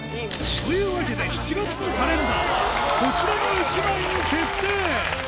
というわけで、７月のカレンダーは、こちらの一枚に決定。